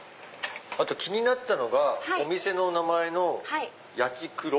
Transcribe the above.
あと気になったのがお店の名前のヤチクロ。